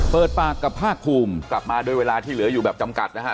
เปิดปากกับภาคภูมิกลับมาโดยเวลาที่เหลืออยู่แบบจำกัดนะฮะ